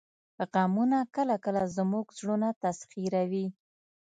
غمونه کله کله زموږ زړونه تسخیروي